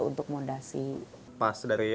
untuk mondasi pas dari